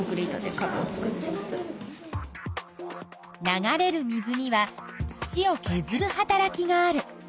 流れる水には土をけずるはたらきがある。